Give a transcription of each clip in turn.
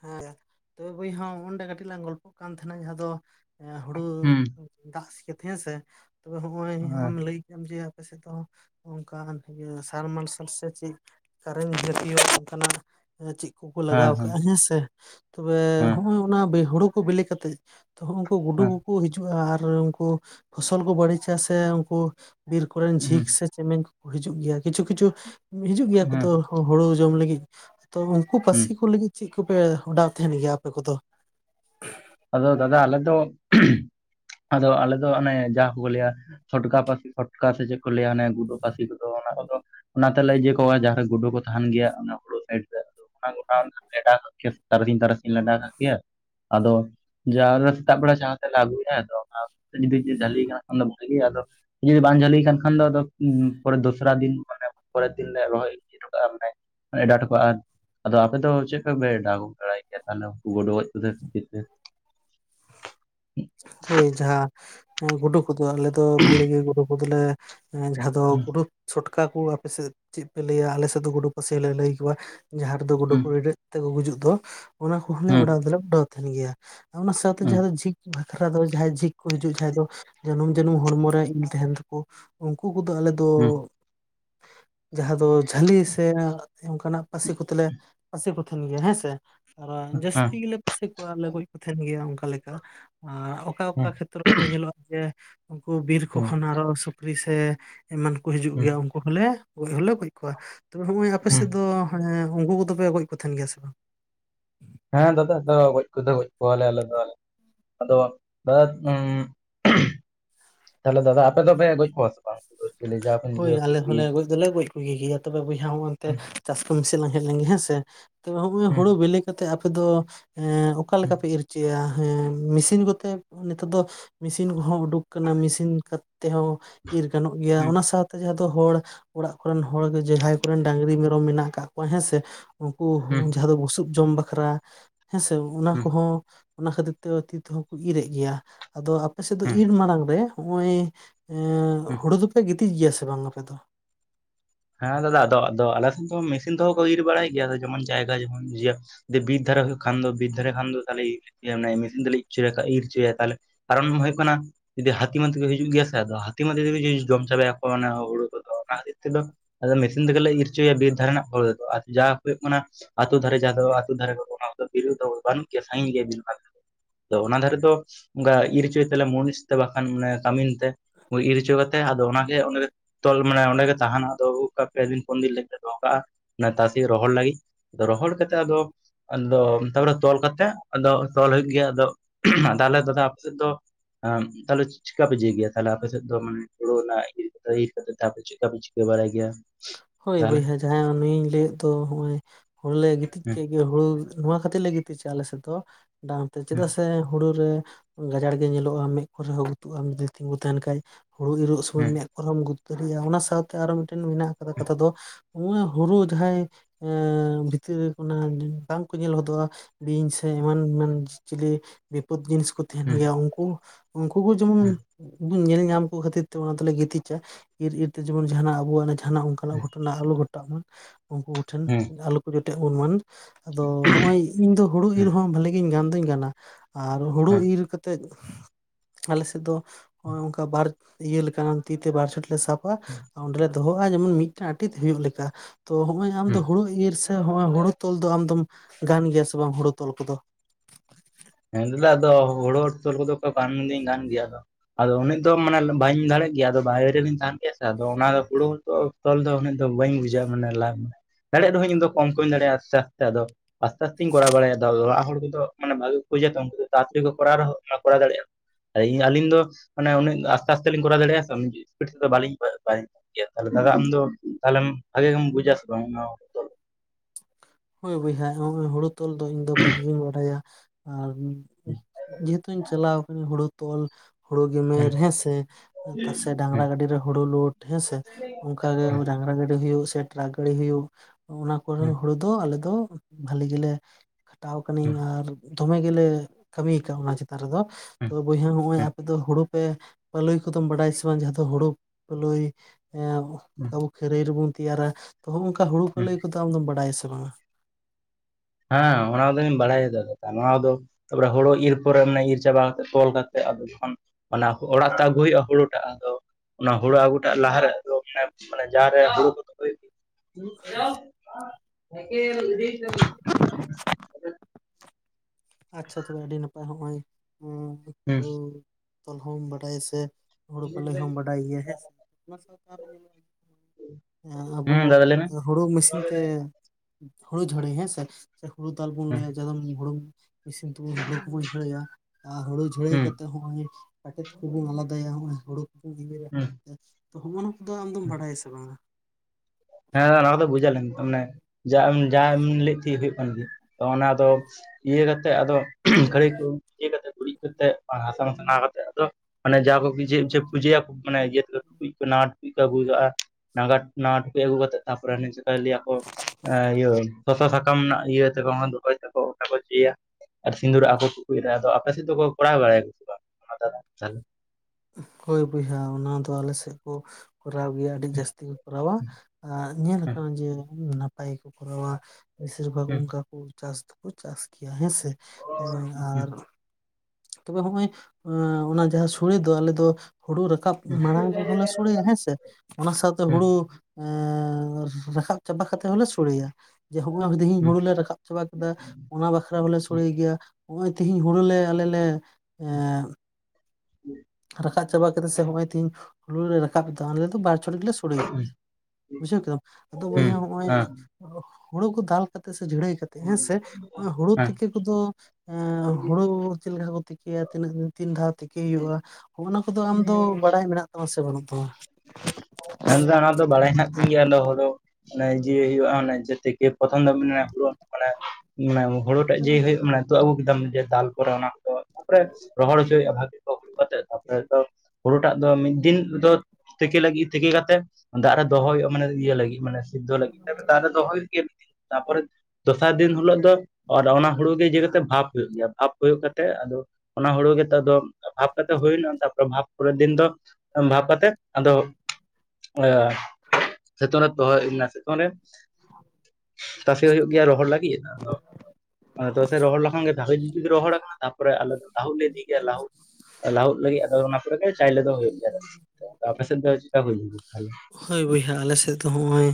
ᱦᱮᱸ ᱛᱚ ᱵᱚᱭᱦᱟ ᱦᱚᱜᱚᱰᱮ ᱠᱟᱹᱴᱤᱡ ᱞᱟᱝ ᱜᱚᱞᱯᱚᱜ ᱠᱟᱱ ᱛᱟᱦᱮᱱᱟ, ᱡᱟᱦᱟᱸ ᱫᱚ ᱦᱩᱲᱩ ᱦᱩᱸ ᱫᱟᱜ ᱥᱤ ᱠᱷᱮᱛ ᱦᱮᱸᱥᱮ᱾ ᱛᱚᱵᱮ ᱦᱚᱜ-ᱚᱭ ᱟᱢ ᱦᱮᱸ ᱞᱟᱹᱭ ᱠᱮᱜᱟᱢ ᱡᱮ ᱟᱯᱮ ᱥᱮᱜ ᱫᱚ ᱚᱝᱠᱟᱱ ᱤᱭᱟᱹ ᱥᱟᱨᱢᱟᱨᱥᱟᱞ ᱥᱮ, ᱪᱤᱜ ᱠᱟᱨᱮᱱ ᱡᱟᱛᱤᱭᱚ, ᱚᱱᱠᱟᱱᱟᱜ ᱪᱤᱜ ᱠᱚᱠᱚ ᱦᱮᱸ ᱞᱟᱜᱟᱣ ᱦᱮᱸ ᱠᱟᱜᱼᱟ ᱦᱮᱸᱥᱮ᱾ ᱛᱚᱵᱮ ᱦᱮᱸ ᱦᱚᱸᱜᱼᱚᱭ ᱚᱱᱟ ᱦᱩᱲᱩ ᱠᱚ ᱵᱮᱞᱮ ᱠᱟᱛᱮᱜ ᱛᱚ ᱦᱩᱜ-ᱩᱝᱠᱩ ᱜᱩᱰᱩ ᱦᱮᱸ ᱠᱚᱠᱚ ᱦᱤᱡᱩᱜᱼᱟ᱾ ᱟᱨ ᱩᱝᱠᱩ ᱯᱷᱚᱥᱚᱞ ᱠᱚ ᱵᱟᱹᱲᱤᱡᱟ, ᱥᱮ ᱩᱱᱠᱩ ᱵᱤᱨ ᱠᱚᱨᱮᱱ ᱦᱩᱸ ᱡᱷᱤᱠ, ᱥᱮ ᱪᱮᱢᱮᱧ ᱠᱚᱠᱚ ᱦᱤᱡᱩᱜ ᱜᱮᱭᱟ, ᱠᱤᱪᱷᱩ ᱠᱤᱪᱷᱩ ᱦᱤᱡᱩᱜ ᱜᱮᱭᱟ ᱦᱮᱸ ᱠᱚᱛᱚ ᱾ ᱦᱳᱲᱳ ᱡᱚᱢ ᱞᱟᱹᱜᱤᱫ, ᱛᱚ ᱩᱝᱠᱩ ᱦᱩᱸ ᱯᱟᱹᱥᱤ ᱠᱚ ᱞᱟᱹᱜᱤᱫ ᱪᱤᱜ ᱠᱚᱯᱮ ᱚᱰᱟᱣ ᱛᱟᱦᱮᱸᱱ ᱜᱮᱭᱟ ᱟᱯᱮ ᱠᱚᱫᱚ? ᱟᱫᱚ ᱫᱟᱫᱟ ᱟᱞᱮ ᱫᱚ, ᱟᱫᱚ ᱟᱞᱮ ᱫᱚ ᱚᱱᱮ ᱡᱟᱦᱟᱸ ᱠᱩᱠᱚ ᱞᱟᱹᱭᱟ ᱾ ᱥᱚᱴᱠᱟ ᱯᱟᱹᱥᱤ, ᱥᱚᱴᱠᱟ ᱥᱮ ᱪᱮᱫ ᱠᱚ ᱞᱟᱹᱭᱟ, ᱟᱱᱮ ᱜᱩᱰᱟᱹ ᱯᱟᱹᱥᱤ ᱠᱚᱫᱚ ᱟᱱᱟ ᱠᱚᱫᱚ ᱚᱱᱟ ᱛᱮᱞᱮ ᱤᱭᱟᱹ ᱠᱚᱣᱟ ᱡᱟᱦᱟᱸ ᱜᱩᱰᱩ ᱠᱚ ᱛᱟᱦᱮᱱ ᱜᱮᱭᱟ ᱚᱱᱟ ᱦᱳᱲᱳ ᱥᱟᱭᱤᱰ ᱨᱮ᱾ [unintelligible] ᱛᱟᱨᱟᱥᱤᱧ ᱛᱟᱨᱟᱥᱤᱧ ᱞᱮ ᱫᱟᱜ ᱠᱟᱜ ᱠᱮᱭᱟ, ᱟᱫᱚ ᱡᱟᱣ ᱫᱚ ᱥᱮᱛᱟᱜ ᱵᱮᱲᱟ ᱡᱟᱦᱟᱸ ᱛᱮᱞᱮ ᱟᱹᱜᱩᱭᱟ᱾ ᱟᱫᱚ ᱚᱱᱟ ᱡᱩᱫᱤ ᱡᱟᱹᱞᱤ ᱠᱟᱱ ᱠᱷᱟᱱ ᱫᱚ ᱵᱷᱟᱹᱞᱤ ᱟᱫᱚ ᱡᱩᱫᱤ ᱵᱟᱝ ᱡᱷᱟᱹᱞᱤ ᱠᱟᱱ ᱠᱷᱟᱱ ᱫᱚ, ᱟᱫᱚ ᱯᱚᱨᱮ ᱫᱚᱥᱨᱟ ᱫᱤᱱ ᱢᱟᱱᱮ ᱯᱚᱨᱮᱨ ᱫᱤᱱ ᱞᱮ ᱨᱚᱦᱚᱭ ᱤᱫᱤ ᱴᱚᱠᱟᱜᱼᱟ, ᱢᱟᱱᱮ ᱮᱰᱟᱣ ᱴᱚᱠᱟᱜᱼᱟ᱾ ᱟᱫᱚ ᱟᱯᱮ ᱫᱚ ᱪᱮᱜ ᱯᱮ [unintelligible] ᱵᱟᱲᱟᱭ ᱜᱮᱭᱟ ᱛᱷᱟᱞᱮ, ᱩᱝᱠᱩ ᱜᱳᱰᱳ ᱜᱚᱡ ᱠᱚᱛᱮ᱾ [unintelligible] ᱠᱳᱭ ᱡᱟᱦᱟᱸ ᱦᱮᱸ ᱜᱩᱰᱩ ᱠᱚᱫᱚ, ᱟᱞᱮ ᱫᱚ ᱵᱷᱟᱞᱮ ᱜᱮ ᱜᱩᱰᱩ ᱠᱚᱫᱚᱞᱮ ᱮᱸ ᱡᱟᱦᱟᱸ ᱫᱚ [unintelligible] ᱥᱚᱴᱠᱟ ᱠᱩ, ᱟᱯᱮ ᱥᱮᱫ ᱪᱮᱜ ᱯᱮ ᱞᱟᱹᱭᱟ᱾ ᱟᱞᱮ ᱥᱮᱫ ᱫᱚ ᱜᱩᱰᱩ ᱯᱟᱹᱥᱤ ᱞᱮ ᱞᱟᱹᱭ ᱠᱚᱣᱟ, ᱡᱟᱦᱟᱸ ᱨᱮᱫᱚ ᱜᱩᱰᱩ ᱠᱚ ᱨᱮᱰᱮᱛ ᱛᱮᱠᱚ ᱜᱩᱡᱩᱜ ᱫᱚ, ᱚᱱᱟ ᱠᱚᱦᱚᱸᱞᱮ ᱚᱰᱟᱣ ᱫᱚᱞᱮ ᱚᱰᱟᱣ ᱛᱷᱮᱱ ᱜᱮᱭᱟ᱾ ᱚᱱᱟ ᱥᱟᱶᱛᱮ ᱡᱟᱦᱟᱸ ᱫᱚ ᱡᱷᱤᱠ ᱵᱷᱟᱠᱨᱟ ᱫᱚ ᱡᱟᱦᱟᱸᱭ ᱡᱷᱤᱠ ᱠᱚ ᱦᱤᱡᱩᱜ, ᱡᱟᱦᱟᱸᱭ ᱫᱚ ᱡᱟᱹᱱᱩᱢ ᱡᱟᱹᱱᱩᱢ ᱦᱚᱲᱢᱚ ᱨᱮ ᱤᱞ ᱛᱟᱦᱮᱱ ᱛᱟᱠᱚ᱾ ᱩᱝᱠᱩ ᱠᱚᱫᱚ ᱟᱞᱮ ᱫᱚ, ᱡᱟᱦᱟᱸ ᱫᱚ ᱡᱷᱟᱹᱞᱤ ᱥᱮ ᱱᱟᱜ ᱚᱝᱠᱟᱱᱟᱜ ᱯᱟᱥᱤ ᱠᱚᱛᱮᱞᱮ, ᱯᱟᱥᱤ ᱯᱚᱛᱷᱮᱱ ᱜᱮᱭᱟ ᱦᱮᱸ ᱥᱮ ᱟᱨᱚ ᱡᱟᱹᱥᱛᱤ ᱜᱮᱞᱮ ᱯᱷᱟᱹᱥᱤ ᱠᱚᱣᱟᱞᱮ ᱜᱚᱡ ᱠᱚ ᱛᱟᱦᱮᱱ ᱜᱮᱭᱟ᱾ ᱚᱝᱠᱟ ᱞᱮᱠᱟ ᱟᱨ ᱚᱠᱟ ᱚᱠᱟ ᱠᱷᱮᱛᱨᱚ ᱠᱚᱫᱚ ᱧᱮᱞᱚᱜᱼᱟ, ᱡᱮ ᱩᱝᱠᱩ ᱵᱤᱨ ᱠᱚ ᱠᱷᱚᱱ ᱟᱨᱚ ᱥᱩᱠᱨᱤ ᱥᱮ ᱮᱢᱟᱱ ᱠᱚ ᱦᱤᱡᱩᱜ ᱜᱮᱭᱟ᱾ ᱠᱩ ᱦᱚᱞᱮ ᱜᱚᱡ ᱦᱚᱸᱞᱮ ᱜᱚᱡ ᱠᱚᱣᱟ᱾ ᱛᱚᱵᱮ ᱦᱚᱜᱼᱚᱭ ᱟᱯᱮ ᱥᱮᱫ ᱫᱚ ᱦᱟᱱᱮ ᱩᱝᱠᱩ ᱠᱚᱫᱚ ᱯᱮ ᱜᱚᱡ ᱠᱚ ᱛᱟᱦᱮᱱ ᱜᱮᱭᱟ ᱥᱮ ᱵᱟᱝ? ᱦᱮᱸ ᱫᱟᱫᱟ, ᱟᱫᱚ ᱜᱚᱡ ᱠᱚᱫᱚ ᱜᱚᱡ ᱠᱚᱣᱟᱞᱮ, ᱟᱞᱮᱫᱚ ᱟᱞᱮ ᱟᱫᱚ ᱵᱟᱹᱫ [inaudible] ᱛᱷᱟᱞᱮ ᱫᱟᱫᱟ, ᱟᱯᱮ ᱫᱚᱯᱮ ᱜᱚᱡ ᱠᱚᱣᱟ ᱥᱮ ᱵᱟᱝ? ᱪᱤᱞᱤ ᱡᱟᱦᱟᱸ ᱯᱮ ᱞᱟᱹᱭ ᱦᱳᱭ ᱠᱮᱫᱟ ᱟᱞᱮ ᱥᱩᱠᱨᱤ? ᱦᱚᱸᱞᱮ ᱜᱚᱡ ᱫᱚᱞᱮ ᱜᱚᱡ ᱠᱚᱜᱮ ᱜᱮᱭᱟ, ᱛᱚᱵᱮ ᱵᱚᱭᱦᱟ ᱚᱼᱚᱱᱛᱮ ᱪᱟᱥ ᱠᱟᱹᱢᱤ ᱥᱮᱜ ᱞᱟᱝ ᱦᱮᱡ ᱞᱮᱱᱜᱮ ᱦᱮᱸ ᱥᱮ᱾ ᱛᱚ ᱦᱚᱸᱜᱼᱚᱭ ᱦᱳᱲᱳ ᱵᱮᱞᱮ ᱠᱟᱛᱮᱜ ᱟᱯᱮ ᱫᱚ ᱮᱸ ᱚᱠᱟ ᱞᱮᱠᱟ ᱯᱮ ᱤᱨ ᱪᱤᱭᱟ᱾ ᱦᱚᱸ ᱢᱤᱥᱤᱱ ᱠᱚᱛᱮ ᱱᱮᱛᱟᱨ ᱫᱚ ᱢᱮᱥᱤᱱ ᱠᱚᱦᱚᱸ ᱩᱰᱩᱠ ᱠᱟᱱᱟ ᱢᱮᱥᱤᱱ ᱠᱟᱛ ᱛᱮᱦᱚᱸ ᱤᱨ ᱜᱟᱱᱚᱜ ᱜᱮᱭᱟ᱾ ᱚᱱᱟ ᱥᱟᱶᱛᱮ ᱡᱟᱦᱟᱸ ᱫᱚ, ᱦᱚᱲ ᱚᱲᱟᱜ ᱠᱚᱨᱮᱱ ᱦᱚᱲ ᱜᱮ ᱡᱟᱦᱟᱸᱭ ᱠᱚᱨᱮᱱ ᱰᱟᱝᱨᱤ ᱢᱮᱨᱚᱢ ᱢᱮᱱᱟᱜ ᱠᱟᱜ ᱠᱚᱣᱟ ᱦᱮᱸᱥᱮ᱾ ᱩᱱᱠᱩ ᱦᱩᱸ ᱡᱟᱦᱟᱸ ᱫᱚ ᱵᱩᱥᱩᱵ ᱡᱚᱢ ᱵᱟᱠᱷᱟᱨᱟ᱾ ᱦᱮᱸᱥᱮ ᱚᱱᱟ ᱠᱚᱦᱚᱸ, ᱚᱱᱟ ᱠᱷᱟᱹᱛᱤᱨ ᱛᱮ ᱛᱤ ᱛᱮᱦᱚᱸ ᱠᱚ ᱤᱨ ᱨᱮᱜ ᱜᱮᱭᱟ᱾ ᱟᱫᱚ ᱟᱯᱮ ᱥᱮᱫ ᱫᱚ ᱦᱩᱸ ᱤᱨ ᱢᱟᱲᱟᱝ ᱨᱮ ᱦᱚᱜ-ᱚᱭ ᱮᱸ ᱦᱩᱸ ᱦᱩᱲᱩ ᱫᱚ ᱯᱮ ᱜᱤᱛᱤᱡ ᱜᱮᱭᱟ ᱥᱮ ᱵᱟᱝ ᱟᱯᱮ ᱫᱚ? ᱦᱮᱸ ᱫᱟᱫᱟ ᱟᱫᱚ ᱟᱫᱚ ᱟᱞᱮ ᱥᱮᱱ ᱛᱮᱦᱚᱸ ᱢᱮᱥᱤᱱ ᱛᱮᱦᱚᱸ ᱠᱚ ᱤᱨ ᱵᱟᱲᱟᱭ ᱜᱮᱭᱟ᱾ᱟᱫᱚ ᱡᱮᱢᱚᱱ ᱡᱟᱭᱜᱟ ᱡᱮᱢᱚᱱ ᱡᱤᱭᱟ ᱡᱮ ᱵᱤᱨ ᱫᱷᱟᱨᱮ ᱦᱩᱭᱩᱜ ᱠᱷᱟᱱ ᱫᱚ ᱵᱤᱨ ᱫᱷᱟᱨᱮ ᱠᱷᱟᱱ ᱫᱚ ᱛᱷᱟᱞᱮ ᱤᱨ ᱦᱩᱭᱩᱜ ᱜᱮᱭᱟ᱾ ᱚᱱᱮ ᱢᱮᱥᱤᱱ ᱛᱮᱞᱮ ᱤᱨ ᱪᱚᱭᱟ, ᱠᱷᱟᱡ ᱤᱨ ᱪᱚᱭᱟ ᱛᱷᱟᱞᱮ᱾ ᱠᱟᱨᱚᱱ ᱦᱳᱭᱳᱜ ᱠᱟᱱᱟ ᱡᱚᱫᱤ ᱦᱟᱹᱛᱤ ᱢᱟᱹᱛᱤ ᱠᱚ ᱦᱤᱡᱩᱜ ᱜᱮᱭᱟ ᱥᱮ ᱟᱫᱚ ᱦᱟᱹᱛᱤ ᱢᱟᱹᱛᱤ ᱛᱮᱜᱮ ᱡᱩᱫᱤ ᱡᱚᱢ ᱪᱟᱵᱟᱭ ᱭᱟᱠᱚ ᱚᱱᱟ ᱦᱩᱲᱩ ᱠᱚᱫᱚ᱾ ᱚᱱᱟ ᱠᱷᱟᱹᱤᱨ ᱛᱮᱫᱚ ᱟᱫᱚ ᱢᱮᱥᱤᱱ ᱛᱮᱜᱮᱞᱮ ᱤᱨ ᱪᱚᱭᱟ ᱵᱤᱨ ᱫᱷᱟᱨᱮ ᱱᱟᱜ ᱠᱚᱫᱚ᱾ ᱟᱨ ᱡᱟᱦᱟᱸ ᱠᱚ ᱦᱩᱭᱩᱜ ᱠᱟᱱᱟ ᱟᱹᱛᱩ ᱫᱷᱟᱨᱮ ᱡᱟᱦᱟᱸ ᱫᱚ ᱟᱹᱛᱩ ᱫᱷᱟᱨᱮ ᱠᱚᱫᱚ, ᱚᱱᱟ ᱠᱟᱫᱚ ᱵᱤᱨᱩ ᱫᱚ ᱵᱟᱹᱱᱩᱜ ᱜᱮᱭᱟ ᱥᱟᱹᱜᱤᱧ ᱜᱮᱭᱟ ᱵᱤᱨ ᱚᱱᱟ ᱫᱚ ᱾ ᱫᱚ ᱚᱱᱟ ᱫᱷᱟᱨᱮ ᱫᱚ, ᱚᱝᱠᱟ ᱤᱨ ᱦᱚᱪᱚᱭ ᱛᱮᱞᱮ ᱢᱩᱱᱤᱥ ᱛᱮ ᱵᱟᱠᱷᱟᱱ ᱚᱱᱮ ᱠᱟᱹᱢᱤᱱ ᱛᱮ᱾ ᱤᱨ ᱪᱚ ᱠᱟᱛᱮᱜ ᱟᱫᱚ ᱚᱱᱟᱜᱮ ᱚᱸᱰᱮ ᱜᱮ ᱛᱚᱞ ᱢᱟᱱᱮ ᱚᱸᱰᱮᱜᱮ ᱛᱟᱦᱮᱸᱱᱟ ᱦᱟᱸᱜ᱾ ᱫᱚᱦᱩᱠᱟ ᱯᱮ ᱫᱤᱱ ᱯᱩᱱ ᱫᱤᱱ ᱞᱟᱹᱜᱤᱫ ᱱᱚ ᱠᱟᱜᱼᱟ᱾ ᱚᱱᱟ ᱛᱟᱥᱮ ᱨᱚᱦᱚᱲ ᱞᱟᱹᱜᱤᱫ, ᱨᱚᱦᱚᱲ ᱠᱟᱛᱮᱜ ᱟᱫᱚ ᱟᱫᱚ ᱛᱟᱨᱯᱚᱨᱮ ᱛᱚᱞ ᱠᱟᱛᱮᱜ, ᱟᱫᱚ ᱛᱚᱞ ᱦᱩᱭᱩᱜ ᱜᱮᱭᱟ ᱟᱫᱚ [inaudible] ᱛᱟᱞᱮ ᱫᱟᱫᱟ ᱟᱯᱮ ᱥᱮᱫ ᱫᱚ᱾ ᱟᱢ ᱛᱟᱞᱮ ᱪᱤᱠᱟᱯᱮ ᱤᱡᱟᱹᱭ ᱜᱮᱭᱟ ᱛᱟᱦᱞᱮ ᱟᱯᱮ ᱥᱮᱫ ᱫᱚ ᱢᱟᱱᱮ ᱦᱳᱲᱳ ᱱᱟᱜ ᱤᱨ ᱫᱟᱹᱭ ᱠᱟᱛᱮ ᱛᱟᱨᱯᱚᱨ ᱪᱤᱠᱟᱯᱮ ᱪᱤᱜ᱾ ᱵᱮ ᱵᱟᱬᱟᱭ ᱜᱮᱭᱟ ᱛᱟᱦᱞᱮ ᱡᱟᱦᱟᱭ ᱚᱱᱮᱧ ᱞᱟᱹᱭᱮᱫ ᱫᱚ ᱦᱚᱜᱼᱚᱭ ᱦᱩᱲᱩ ᱞᱮ ᱜᱤᱛᱤᱡ ᱦᱮᱸ ᱠᱮᱫ ᱜᱮ ᱦᱩᱲᱩ ᱱᱚᱣᱟ ᱠᱷᱟᱹᱛᱤᱨ ᱞᱮ ᱜᱤᱛᱤᱡᱟᱼᱟ ᱟᱞᱮ ᱥᱮᱫ ᱫᱚ ᱾ ᱰᱟᱝᱛᱮ ᱦᱮᱸ ᱪᱮᱫᱟᱜ ᱥᱮ ᱦᱩᱲᱩ ᱨᱮ ᱜᱟᱡᱟᱲ ᱜᱮ ᱧᱮᱞᱚᱜᱼᱟ ᱢᱮᱫ ᱠᱚᱨᱮ ᱦᱚᱸ ᱜᱩᱛᱩᱜᱼᱟᱢ ᱡᱩᱫᱤ ᱛᱤᱸᱜᱩ ᱛᱟᱦᱮᱱ ᱠᱷᱟᱡ ᱦᱩᱲᱩ ᱤᱨᱚᱜ ᱥᱚᱢᱚᱭ ᱦᱮᱸ ᱢᱮᱫ ᱠᱚᱨᱚᱢ ᱜᱩᱫ ᱠᱟᱹᱨᱤᱭᱟ ᱚᱱᱟ ᱥᱟᱶᱛᱮ ᱟᱨᱚ ᱢᱤᱴᱮᱱ ᱢᱮᱱᱟᱜ ᱟᱠᱟᱫᱟ ᱠᱟᱛᱷᱟ ᱫᱚ ᱱᱚ ᱜᱚᱭ ᱦᱩᱨᱩ ᱡᱟᱦᱟᱸᱭ ᱮᱸ ᱵᱷᱤᱛᱨᱤ ᱨᱮ ᱚᱱᱟ ᱵᱟᱝᱠᱚ ᱧᱮᱞ ᱦᱚᱫᱚᱜ-ᱟ, ᱵᱤᱧ ᱥᱮ ᱮᱢᱚᱱ ᱮᱢᱚᱱ ᱪᱤᱞᱤ ᱵᱤᱯᱚᱫ ᱡᱤᱱᱤᱥ ᱠᱚ ᱛᱷᱮᱦᱮᱱ ᱦᱮᱸ ᱜᱮᱭᱟ ᱩᱱᱠᱩ ᱩᱝᱠᱩ ᱠᱚ ᱡᱮᱢᱚᱱ ᱦᱮᱸ ᱦᱮᱸ ᱧᱮᱞ ᱧᱟᱢ ᱠᱚ ᱠᱷᱟᱹᱛᱤᱨ ᱛᱮ ᱚᱱᱟ ᱫᱚᱞᱮ ᱜᱤᱛᱤᱡᱟ ᱤᱨ ᱤᱨ ᱛᱮ ᱡᱮᱢᱚᱱ ᱡᱟᱦᱟᱱᱟᱜ ᱟᱵᱚᱣᱟᱜ ᱡᱟᱦᱟᱱᱟᱜ ᱚᱱᱠᱟ ᱠᱟᱱᱟᱜ ᱜᱷᱚᱴᱚᱱᱟ ᱟᱞᱚ ᱜᱷᱚᱴᱟᱜ ᱢᱟ ᱩᱱᱠᱩ ᱠᱚᱴᱷᱮᱱ ᱦᱮᱸ ᱟᱞᱚ ᱠᱚ ᱡᱚᱴᱮᱜ ᱵᱚᱱ ᱢᱟ, ᱟᱫᱚ ᱦᱚᱸᱜ-ᱚᱭ ᱤᱧ ᱫᱚ ᱦᱩᱲᱩ ᱦᱮᱸ ᱤᱨ ᱦᱚᱸ ᱵᱷᱟᱹᱞᱤ ᱜᱤᱧ ᱜᱟᱱ ᱫᱩᱧ ᱜᱟᱱᱟ, ᱟᱨ ᱦᱩᱲᱩ ᱦᱮᱸ ᱤᱨ ᱠᱟᱛᱮᱜ ᱟᱞᱮᱥᱮᱫ ᱫᱚ ᱱᱚᱜᱚᱭ ᱚᱝᱠᱟ ᱵᱟᱨ ᱤᱭᱟᱹ ᱞᱮᱠᱟ ᱵᱟᱝ ᱛᱤ ᱛᱮ ᱵᱟᱨ ᱪᱷᱚᱴ ᱞᱮ ᱥᱟᱵᱟ ᱟᱨ ᱚᱸᱰᱮᱞᱮ ᱫᱚᱦᱚᱣᱜ-ᱟ ᱡᱮᱢᱚᱱ ᱢᱤᱫᱴᱮᱱ ᱟᱴᱮᱫ ᱦᱩᱭᱩᱜ ᱞᱮᱠᱟ, ᱛᱚ ᱦᱚᱜ-ᱚᱭ ᱦᱮᱸ ᱟᱢᱫᱚ ᱦᱩᱲᱩ ᱤᱨ ᱥᱮ ᱦᱚ-ᱜᱚᱭ ᱦᱳᱲᱳ ᱛᱚᱞ ᱫᱚ ᱟᱢᱫᱚᱢ ᱜᱟᱱ ᱜᱮᱭᱟ ᱥᱮ ᱵᱟᱝ ᱦᱳᱲᱩ ᱛᱚᱞ ᱠᱚᱫᱚ? ᱦᱮᱸ ᱫᱚᱞᱮ ᱟᱫᱚ ᱦᱳᱲᱳ ᱛᱚᱞ ᱠᱚᱫᱚ ᱜᱟᱱ ᱫᱚᱧ ᱜᱟᱱ ᱜᱮᱭᱟ ᱟᱫᱚ ᱟᱫᱚ ᱩᱱᱤᱜ ᱫᱚ ᱢᱟᱱᱮ ᱵᱟᱹᱧ ᱫᱟᱲᱮᱜ ᱜᱮᱭᱟ ᱟᱫᱚ ᱵᱟᱦᱨᱮ ᱨᱮᱞᱤᱧ ᱛᱟᱦᱮᱱ ᱜᱮᱭᱟ ᱥᱮ ᱟᱫᱚ ᱚᱱᱟ ᱦᱳᱲᱳ ᱫᱚ ᱛᱚᱞ ᱫᱚ ᱩᱱᱟᱹᱜ ᱫᱚ ᱵᱟᱹᱧ ᱵᱩᱡᱷᱟᱹᱜ-ᱟ ᱢᱟᱱᱮ ᱫᱟᱲᱮᱜ ᱨᱮᱦᱚᱸᱧ ᱤᱧ ᱫᱚ ᱠᱚᱢ ᱠᱚᱧ ᱫᱟᱲᱮᱭᱟᱜ-ᱟ ᱟᱥᱛᱮ ᱟᱥᱛᱮ ᱟᱫᱚ ᱟᱥᱛᱮ ᱟᱥᱛᱮᱧ ᱠᱚᱨᱟᱣ ᱵᱟᱲᱟᱭᱟ ᱫᱚ ᱚᱲᱟᱜ ᱦᱚᱲ ᱠᱚᱫᱚ ᱢᱟᱱᱮ ᱵᱷᱟᱜᱮ ᱠᱚ ᱵᱩᱡᱟ ᱛᱚ ᱩᱱᱠᱩ ᱫᱚ ᱛᱟ ᱛᱟᱲᱤ ᱠᱚᱨᱟᱣ ᱨᱮᱦᱚᱸ ᱚᱱᱟ ᱠᱚᱨᱟᱣ ᱫᱟᱲᱮᱜ-ᱟ, ᱟᱹᱭ ᱟᱞᱤᱧ ᱫᱚ ᱢᱟᱱᱮ ᱩᱱᱟᱹᱜ ᱟᱥᱛᱮ ᱟᱥᱛᱮ ᱞᱤᱧ ᱠᱚᱨᱟᱣ ᱫᱟᱲᱮᱜ-ᱟ ᱥᱮ ᱥᱯᱤᱰ ᱛᱮᱫᱚ ᱵᱟᱹᱞᱤᱧ ᱜᱮᱭᱟ ᱛᱟᱦᱞᱮ ᱫᱟᱫᱟ ᱟᱢ ᱫᱚ ᱛᱟᱦ ᱞᱮᱢ ᱵᱷᱟᱜᱮ ᱜᱮᱢ ᱵᱩᱡᱟ ᱥᱮ ᱵᱟᱝ ᱛᱚᱞ ᱦᱳᱭ ᱵᱚᱭᱦᱟ ᱚᱜ ᱚᱭ ᱦᱳᱲᱳ ᱛᱚᱞ ᱫᱚ ᱤᱧ ᱫᱚ ᱵᱷᱟᱹᱜᱤ ᱜᱤᱧ ᱵᱟᱰᱟᱭᱟ᱾ ᱟᱨ ᱡᱮᱦᱚᱛᱩᱧ ᱪᱟᱞᱟᱣ ᱠᱟᱱᱟ ᱦᱩᱲᱩ ᱛᱚᱞ ᱦᱩᱲᱩ ᱦᱩᱸ ᱜᱮᱢᱮᱨ ᱦᱮᱸᱥᱮ ᱛᱟᱥᱮ ᱰᱟᱝᱨᱟ ᱦᱩᱸ ᱜᱟᱹᱰᱤ ᱨᱮ ᱦᱩᱲᱩ ᱞᱳᱴ ᱦᱮᱸᱥᱮ ᱚᱝᱠᱟᱜᱮ ᱰᱟᱝᱨᱟ ᱜᱟᱹᱰᱤ ᱦᱩᱭᱩᱜ ᱥᱮ ᱴᱨᱟᱠ ᱜᱟᱹᱲᱤ ᱦᱩᱭᱩᱜ ᱱᱚᱜ ᱱᱟ ᱠᱚᱨᱮ ᱦᱩᱸ ᱦᱩᱲᱩ ᱫᱚ ᱟᱞᱮ ᱫᱚ ᱵᱷᱟᱞᱤ ᱜᱮᱞᱮ ᱠᱷᱟᱴᱟᱣ ᱦᱩᱸ ᱠᱟᱱᱤᱧ ᱟᱨ ᱫᱚᱢᱮ ᱜᱮᱞᱮ ᱠᱟᱹᱢᱤᱭ ᱟᱠᱟᱜ-ᱟ ᱚᱱᱟ ᱪᱮ ᱛᱟ ᱨᱮᱫᱚ ᱦᱩᱸ ᱛᱚ ᱵᱚᱭᱦᱟ ᱦᱚᱜ-ᱚᱭ ᱦᱩᱸ ᱟᱯᱮᱫᱚ ᱦᱳᱲᱳ ᱯᱮ ᱯᱟᱞᱳᱭ ᱠᱚᱫᱚᱢ ᱵᱟᱰᱟᱭᱟ ᱥᱮ ᱵᱟᱝ ᱡᱟᱦᱟᱸ ᱫᱚ ᱦᱩᱲᱩ ᱯᱟᱞᱳᱭ ᱮ ᱩᱸᱦ ᱠᱷᱟᱹᱨᱟᱹᱭ ᱨᱮᱵᱩᱱ ᱛᱮᱭᱟᱨᱟ ᱛᱚ ᱦᱚ ᱚᱝᱠᱟ ᱦᱩᱲᱩ ᱦᱩᱸ ᱯᱟᱞᱳᱭ ᱠᱚᱫᱚ ᱟᱢ ᱫᱚᱢ ᱵᱟᱰᱟᱭᱟ ᱥᱮ ᱵᱟᱝᱟ? ᱦᱮᱸ ᱚᱱᱟ ᱫᱩᱧ ᱵᱟᱲᱟᱭ ᱫᱟᱫᱟ ᱱᱚᱣᱟ ᱫᱚ ᱛᱟᱨᱯᱚᱨ ᱦᱳᱲᱳ ᱤᱨ ᱯᱚᱨᱮ ᱢᱟᱱᱮ ᱤᱨ ᱪᱟᱵᱟ ᱠᱟᱛᱮ ᱛᱚᱞ ᱠᱟᱛᱮ ᱟᱫᱚ ᱡᱚᱠᱷᱚᱱ ᱚᱱᱟ ᱚᱲᱟᱜ ᱛᱮ ᱟᱹᱜᱩ ᱦᱩᱭᱩᱜ-ᱟ ᱦᱳᱲᱳᱴᱟᱜ ᱟᱫᱚ ᱚᱱᱟ ᱦᱳᱲᱳ ᱟᱹᱜᱩᱴᱟᱜ ᱞᱟᱦᱟᱨᱮ ᱢᱟᱱᱮ ᱡᱟᱦᱟ ᱨᱮ ᱦᱳᱲᱳ ᱠᱚᱫᱚ ᱫᱚᱦᱚᱭ [unintelligible] ᱟᱪᱪᱷᱟ ᱛᱚᱵᱮ ᱟᱹᱰᱤ ᱱᱟᱯᱟᱭ ᱦᱚᱸᱜ-ᱚᱭ ᱩᱸ ᱦᱩᱸ ᱩᱸ ᱛᱚᱞ ᱦᱚᱢ ᱵᱟᱰᱟᱭᱟ ᱥᱮ ᱦᱩᱲᱩ ᱯᱟᱞᱳᱭ ᱦᱚᱸᱢ ᱵᱟᱰᱟᱭ ᱜᱮᱭᱟ ᱦᱮᱸ ᱥᱮ ᱚᱱᱟ ᱥᱟᱶᱛᱮ ᱟᱨᱦᱚᱸ ᱧᱮᱞᱚ ᱮᱸ ᱟᱵᱩ ᱦᱩᱸ ᱫᱟᱫᱟ ᱞᱟᱹᱭ ᱢᱮ ᱦᱩᱲᱩ ᱢᱤᱥᱤᱱ ᱛᱮ ᱦᱩᱲᱩ ᱡᱷᱟᱹᱲᱟᱹᱭ ᱦᱮᱸᱥᱮ ᱥᱮ ᱦᱩᱲᱩ ᱫᱟᱞ ᱵᱚᱱ ᱦᱩᱸ ᱞᱟᱹᱭᱟ ᱡᱮᱫᱚᱢ ᱦᱩᱲᱩ ᱤᱥᱤᱱ ᱛᱮᱵᱩᱱ ᱦᱩᱲᱩ ᱠᱩᱵᱩᱱ ᱡᱷᱟᱹᱲᱟᱹᱭᱟ ᱟᱨ ᱦᱩᱲᱩ ᱡᱷᱟᱹᱲᱟᱹᱭ ᱦᱩᱸ ᱠᱟᱛᱮ ᱦᱚᱸᱜᱚᱭ ᱠᱟᱴᱮᱫ ᱠᱩᱵᱤᱱ ᱟᱞᱟᱫᱟᱭᱟ ᱦᱚᱜᱚᱭ ᱦᱩᱲᱩ ᱠᱚᱵᱚᱱ ᱤᱭᱟᱹ ᱦᱩᱸ ᱛᱚ ᱡᱚᱛᱚ ᱱᱟ ᱫᱚ ᱟᱢᱫᱚᱢ ᱵᱟᱰᱟᱭᱟ ᱥᱮ ᱵᱟᱝᱟ? ᱦᱮᱸ ᱫᱟ ᱚᱱᱟ ᱠᱚᱫᱚ ᱵᱩᱡᱟ ᱞᱤᱧ ᱛᱚ ᱢᱟᱱᱮ ᱡᱟ ᱡᱟ ᱞᱟᱹᱭ ᱛᱮᱦᱮᱫ ᱦᱩᱭᱩᱜ ᱠᱟᱱ ᱜᱮ ᱛᱚ ᱚᱱᱟ ᱫᱚ ᱤᱭᱟᱹ ᱠᱟᱛᱮᱜ ᱟᱫᱚ ᱠᱷᱟᱹᱲᱤ ᱠᱩ ᱤᱭᱟᱹ ᱠᱟᱛᱮ ᱜᱩᱨᱤᱡ ᱠᱟᱛᱮᱜ ᱦᱟᱥᱟᱱᱠᱚ ᱥᱟᱱᱟᱣ ᱠᱟᱛᱮ ᱟᱫᱚ ᱢᱟᱱᱮ ᱡᱟ ᱯᱩᱡᱟᱹᱭᱟ ᱢ ᱤᱭᱟᱹ ᱴᱠᱩᱡ [unintelligible] ᱴᱩᱠᱩᱡ ᱟᱜᱩ ᱠᱟᱛᱮᱛ ᱛᱟᱯᱚᱨᱮ [unintelligible] ᱞᱟᱹᱭᱟ ᱠᱚ ᱮᱸ ᱤᱭᱟᱹ ᱥᱚᱥᱚ ᱥᱟᱠᱟᱢ ᱨᱮᱱᱟᱜ ᱤᱭᱟᱹ ᱛᱮᱠᱚ ᱫᱚᱦᱚᱭ ᱛᱮᱠᱚ ᱚᱱᱠᱟ ᱠᱚ ᱪᱟᱹᱭᱟ ᱟᱨ ᱥᱤᱸᱫᱩᱨᱟᱜ-ᱟ ᱠᱚ ᱴᱩᱠᱩᱡ ᱨᱮ, ᱟᱫᱚ ᱟᱯᱮ ᱥᱮᱫ ᱫᱚᱠᱚ ᱠᱚᱨᱟᱣ ᱵᱟᱲᱟᱭᱟ ᱠᱚ ᱥᱮ ᱵᱟ ᱚᱱᱟ ᱫᱟᱫᱟ ᱛᱟᱦᱞᱮ? ᱦᱳᱭ ᱵᱚᱭᱦᱟ ᱚᱱᱟ ᱫᱚ ᱟᱞᱮ ᱥᱮᱫ ᱠᱚ ᱠᱚᱨᱟᱣ ᱜᱮᱭᱟ ᱟᱹᱰᱤ ᱡᱟᱹᱥᱛᱤ ᱠᱚ ᱠᱚᱨᱟᱣᱟ, ᱟᱨ ᱧᱮᱞ ᱟᱠᱟᱱᱟ ᱡᱮ ᱱᱟᱯᱟᱭ ᱜᱮᱠᱚ ᱠᱚᱨᱟᱣᱟ ᱵᱮᱥᱤᱨ ᱵᱷᱟᱜ ᱦᱩᱸ ᱚᱱᱠᱟ ᱠᱚ ᱪᱟᱥ ᱫᱚᱠᱚ ᱪᱟᱥ ᱜᱮᱭᱟ ᱦᱮᱸᱥᱮ ᱟᱨ ᱛᱚᱵᱮ ᱦᱚᱸᱜ-ᱚᱭ ᱚᱱᱟ ᱡᱟᱦᱟᱸ ᱥᱚᱲᱮ ᱫᱚ ᱟᱞᱮ ᱫᱚ ᱦᱩᱲᱩ ᱨᱮ ᱠᱟ ᱦᱩᱸ ᱦᱩᱸ ᱦᱩᱸ ᱢᱟᱲᱟᱝ ᱨᱮᱦᱚᱞᱮ ᱥᱚᱲᱮᱭᱟ ᱦᱮᱸᱥᱮ ᱚᱱᱟ ᱥᱟᱶᱛᱮ ᱦᱩᱸ ᱦᱩᱲᱩ᱾ ᱦᱮᱸ ᱨᱟᱠᱟᱵ ᱪᱟᱵᱟ ᱠᱟᱛᱮ ᱦᱚᱸᱞᱮ ᱥᱚᱲᱮᱭᱟ ᱡᱮ ᱦᱚᱜ-ᱚᱭ ᱛᱤᱦᱤᱧ ᱦᱩᱸ ᱦᱩᱲᱩ ᱨᱟᱠᱟᱵ ᱪᱟᱵᱟ ᱠᱮᱫᱟ ᱚᱱᱟ ᱵᱟᱠᱷᱨᱟ ᱦᱚᱸᱞᱮ ᱥᱩᱲᱟᱭ ᱜᱮᱭᱟ ᱱᱚ-ᱚᱭ ᱛᱤᱦᱤᱧ ᱦᱩᱲᱩᱞᱮ ᱟᱞᱮ ᱞᱮ [unintelligible] ᱨᱟᱠᱟᱵ ᱪᱟᱵᱟ ᱠᱮᱫᱟ ᱥᱮ ᱦᱚᱜ ᱚᱚᱭ ᱛᱤᱦᱤᱱ ᱦᱩᱲᱩ ᱞᱮ ᱨᱟᱠᱟᱵ ᱮᱫᱟ ᱟᱞᱮ ᱫᱚ ᱵᱟᱨ ᱪᱷᱚᱴ ᱜᱮᱞᱮ ᱵᱩᱡᱷᱟᱹᱣ ᱠᱮᱫᱟᱢ ᱟᱫᱚ ᱦᱩᱸ ᱵᱚᱭᱦᱟ ᱦᱚᱜ-ᱚᱭ ᱦᱮᱸ ᱦᱩᱲᱩ ᱠᱚ ᱫᱟᱞ ᱠᱟᱛᱮᱜ ᱥᱮ ᱡᱷᱟᱲᱟᱹᱭ ᱠᱟᱛᱮᱜ ᱦᱮᱸ ᱥᱮ ᱦᱩᱲᱩ ᱦᱮᱸ ᱛᱤᱠᱮ ᱠᱚᱫᱚ ᱦᱮᱸ ᱦᱩᱲᱩ ᱪᱮᱫ ᱞᱮᱠᱟ ᱠᱚ ᱛᱤᱠᱤᱭᱟ ᱛᱤᱱᱟᱹᱜ ᱫᱤᱱ ᱛᱤᱱ ᱫᱷᱟᱣ ᱛᱤᱠᱤᱭ ᱦᱩᱭᱩᱜ-ᱟ, ᱦᱚᱸᱜ-ᱱᱟ ᱠᱚᱫᱚ ᱟᱢ ᱫᱚ ᱵᱟᱲᱟᱭ ᱢᱮᱱᱟᱜ ᱛᱟᱢᱟ ᱥᱮ ᱵᱟᱹᱱᱩᱜ ᱛᱟᱢᱟ? ᱦᱮᱸ ᱫᱟᱫᱟ ᱚᱱᱟ ᱫᱚ ᱵᱟᱲᱟᱭ ᱦᱮᱱᱟᱜ ᱛᱤᱧ ᱜᱮᱭᱟ ᱟᱫᱚ ᱚᱫᱚ ᱚᱱᱮ ᱡᱮ ᱤᱭᱟᱹ ᱦᱩᱭᱩᱜ-ᱟ ᱚᱱᱮ ᱡᱮ ᱛᱮᱠᱮ ᱯᱨᱚᱛᱷᱚᱢ ᱫᱚ ᱢᱟᱱᱮ ᱯᱩᱨᱟ ᱢᱟᱱᱮ ᱚᱱᱮ ᱦᱩᱲᱩ ᱴᱟᱜ ᱡᱮ ᱦᱩᱭᱩᱜ ᱢᱟᱱᱮ ᱱᱤᱛᱚᱜ ᱟᱹᱜᱩ ᱠᱮᱫᱟᱢ ᱡᱮ ᱫᱟᱞ ᱯᱚᱨᱮ ᱚᱱᱟ ᱛᱟᱨ ᱯᱚᱨᱮ ᱨᱚᱦᱚᱲ ᱦᱚᱪᱚᱭ ᱵᱷᱟᱜᱤ ᱠᱚ [unintelligible] ᱛᱟᱨᱯᱚᱨᱮ ᱦᱩᱲᱩ ᱴᱟᱜ ᱫᱚ ᱢᱤᱫ ᱫᱤᱱ ᱫᱚ ᱛᱤᱠᱮ ᱞᱟᱹᱜᱤᱫ ᱛᱤᱠᱮ ᱠᱟᱛᱮᱜ ᱫᱟᱜ ᱨᱮ ᱫᱚᱦᱚ ᱦᱩᱭᱩᱜ-ᱟ ᱢᱟᱱᱮ ᱤᱭᱟᱹ ᱞᱟᱹᱜᱤᱜ ᱢᱟᱱᱮ [inaudible] ᱛᱟᱨᱯᱚᱨᱮ ᱫᱚᱥᱟᱨ ᱫᱤᱱ ᱦᱤᱞᱳᱜ ᱫᱚ ᱚᱨ ᱚᱱᱟ ᱦᱩᱲᱩ ᱜᱮ ᱡᱩᱫᱟᱹ ᱛᱮ ᱵᱷᱟᱵᱽ ᱦᱩᱭᱩᱜ ᱜᱮᱭᱟ ᱵᱷᱟᱵᱽ ᱦᱩᱭᱩᱜ ᱠᱟᱛᱮᱜ ᱟᱫᱚ ᱚᱱᱟ ᱦᱩᱲᱩ ᱜᱮᱛᱚ ᱫᱚ ᱵᱷᱟᱵ ᱠᱟᱛᱮᱜ ᱦᱩᱭᱱᱟ ᱛᱟᱨᱯᱚᱨᱮ ᱵᱷᱟᱵᱽ ᱯᱚᱨᱮ ᱫᱤᱱ ᱫᱚ ᱵᱷᱟᱵ ᱠᱟᱛᱮᱜ ᱟᱫᱚ ᱥᱤᱛᱳᱝ [unintelligible] ᱫᱚᱦᱚᱭ ᱥᱤᱛᱳᱝ ᱨᱮ? ᱛᱟᱥᱮ ᱦᱩᱭᱩᱜ ᱜᱮᱭᱟ ᱨᱚᱦᱚᱲ ᱞᱟᱹᱜᱤᱫ ᱟᱫᱚ ᱦᱮᱸ ᱛᱟᱥᱮ ᱥᱮ ᱨᱚᱦᱚᱲ ᱞᱮᱠᱷᱟᱱ ᱜᱮ ᱵᱷᱟᱜᱤ ᱡᱩᱫᱤ ᱞᱮ ᱨᱚᱦᱚᱲ ᱠᱟᱱᱟ ᱛᱟᱯᱚᱨᱮ ᱟᱞᱮ ᱞᱟᱦᱩᱫ ᱞᱮ ᱤᱫᱤ ᱜᱮᱭᱟ ᱞᱟᱦᱩᱫ᱾ ᱞᱟᱦᱩᱫ ᱞᱟᱹᱜᱤᱫ ᱟᱫᱚ ᱚᱱᱟ ᱯᱚᱨᱮ ᱪᱟᱭᱞᱮ ᱫᱚ ᱦᱩᱭᱩᱜ ᱜᱮᱭᱟ᱾ [unintelligible] ᱟᱯᱮ ᱥᱮᱱ ᱯᱮ ᱪᱮᱠᱟ ᱦᱩᱭ ᱦᱳᱭ ᱵᱚᱭᱦᱟ ᱟᱞᱮ ᱥᱮᱫ ᱫᱚ ᱦᱚᱜ-ᱚᱭ